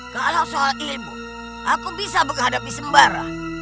kalau soal ilmu aku bisa menghadapi sembara